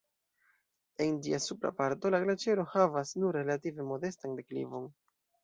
En ĝia supra parto la glaĉero havas nur relative modestan deklivon.